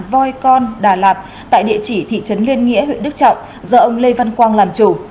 voi con đà lạt tại địa chỉ thị trấn liên nghĩa huyện đức trọng do ông lê văn quang làm chủ